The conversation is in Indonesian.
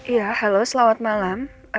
ya halo selamat malam